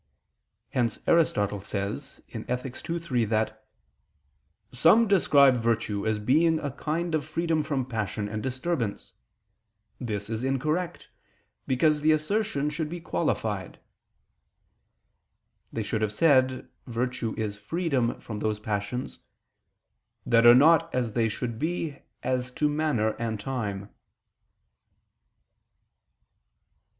Hence Aristotle says (Ethic. ii, 3) that "some describe virtue as being a kind of freedom from passion and disturbance; this is incorrect, because the assertion should be qualified": they should have said virtue is freedom from those passions "that are not as they should be as to manner and time."